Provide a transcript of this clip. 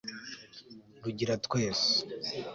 rugira twese